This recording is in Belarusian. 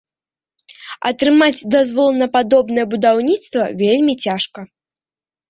Атрымаць дазвол на падобнае будаўніцтва вельмі цяжка.